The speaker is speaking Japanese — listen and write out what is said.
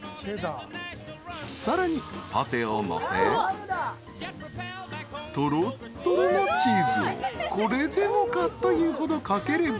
［さらにパテをのせとろとろのチーズをこれでもかというほどかければ］